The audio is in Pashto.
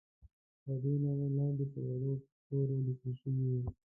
تر دې نامه لاندې په وړو تورو لیکل شوي وو.